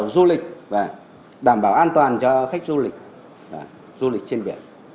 đảm bảo an toàn cho khách du lịch du lịch trên biển